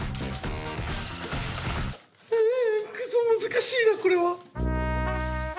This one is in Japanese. ううくそ難しいなこれは。